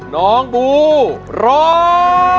น้องบูร้อง